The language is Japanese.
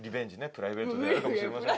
プライベートであるかもしれません。